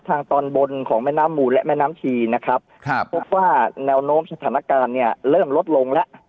ทางตอนบนของแม่น้ำมูลและแม่น้ำชีนะครับครับพบว่าแนวโน้มสถานการณ์เนี่ยเริ่มลดลงแล้ว